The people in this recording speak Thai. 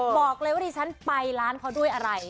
บอกเลยว่าดิฉันไปร้านเขาด้วยอะไร